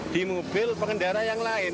di mobil pengendara yang lain